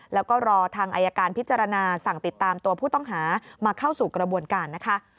แล้วก็รอทางอายการพิจารณาสั่งติดตามตัวผู้ต้องหามาเข้าสู่กระบวนการนะคะ